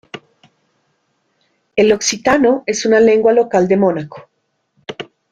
El occitano es una lengua local de Mónaco.